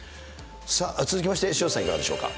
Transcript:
さあ、続きまして、潮田さん、いかがでしょうか。